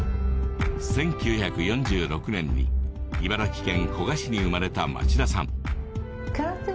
１９４６年に茨城県古河市に生まれた町田さん